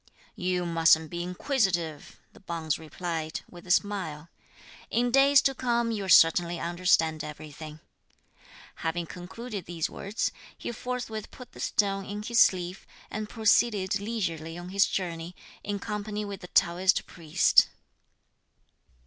"You mustn't be inquisitive," the bonze replied, with a smile, "in days to come you'll certainly understand everything." Having concluded these words, he forthwith put the stone in his sleeve, and proceeded leisurely on his journey, in company with the Taoist priest.